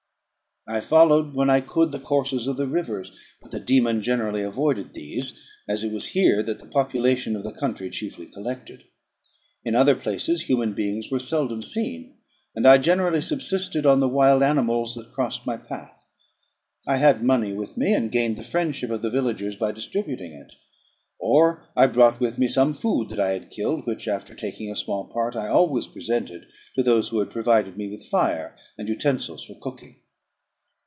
I followed, when I could, the courses of the rivers; but the dæmon generally avoided these, as it was here that the population of the country chiefly collected. In other places human beings were seldom seen; and I generally subsisted on the wild animals that crossed my path. I had money with me, and gained the friendship of the villagers by distributing it; or I brought with me some food that I had killed, which, after taking a small part, I always presented to those who had provided me with fire and utensils for cooking.